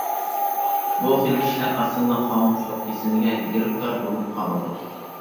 بۇ خىل كىشىلەر ئاسانلا خامۇشلۇق كېسىلىگە گىرىپتار بولۇپ قالىدۇ.